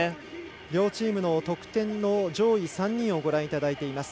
両チームの得点の上位３人をご覧いただいています。